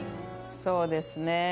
そうですね。